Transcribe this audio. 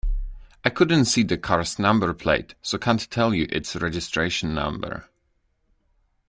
I couldn't see the car's number plate, so can't tell you its registration number